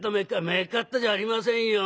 「めっかったじゃありませんよ。